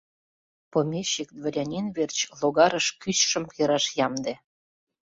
Помещик-дворянин верч логарыш кӱчшым кераш ямде.